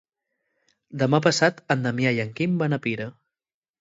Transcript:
Demà passat en Damià i en Quim van a Pira.